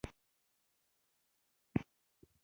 ازادي راډیو د د بیان آزادي کیسې وړاندې کړي.